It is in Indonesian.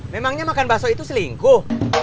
memangnya makan bakso itu selingkuh